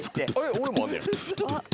俺もあんねや？